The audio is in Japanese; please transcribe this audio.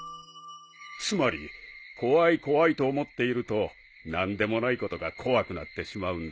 つまり怖い怖いと思っていると何でもないことが怖くなってしまうんだよ。